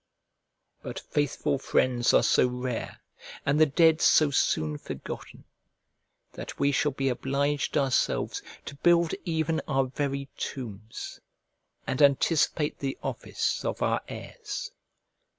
But faithful friends are so rare, and the dead so soon forgotten, that we shall be obliged ourselves to build even our very tombs, and anticipate the office of our heirs.